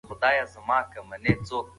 د زور عمر لنډ وي